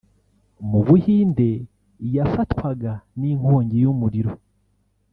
mu Buhinde yafatwaga n’inkongi y’umuriro